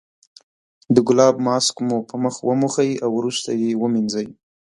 د ګلاب ماسک مو په مخ وموښئ او وروسته یې ومینځئ.